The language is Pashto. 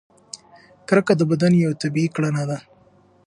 کرکه د بدن یوه طبیعي کړنه ده.